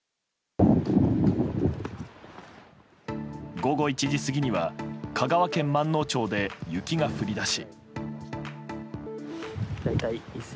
午後１時過ぎには香川県まんのう町で雪が降りだし。